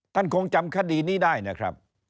ท่านคงจำคดีนี้ได้นะครับ